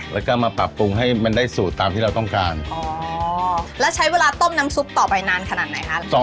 แล้วก็มาปรับปรุงให้มันได้สูตรตามที่เราต้องการอ๋อแล้วใช้เวลาต้มน้ำซุปต่อไปนานขนาดไหนคะ